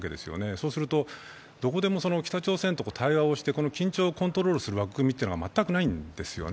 そうすると、どこでも北朝鮮と対話をして、この緊張をコントロールする枠組みは全くないんですよね。